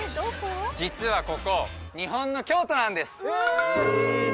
実はここ日本の京都なんです！